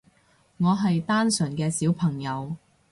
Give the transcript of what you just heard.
我係單純嘅小朋友